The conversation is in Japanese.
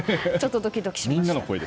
ドキドキしました。